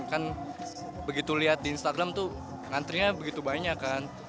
kan begitu lihat di instagram tuh ngantrinya begitu banyak kan